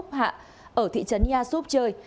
ở thị trấn nguyễn dương và nhóm của anh nguyễn xuân lộc